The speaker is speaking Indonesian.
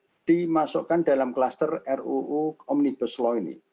yang juga dimasukkan dalam kluster ruu omnibus law ini